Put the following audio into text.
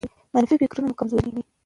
منفي فکرونه مو کمزوري کوي.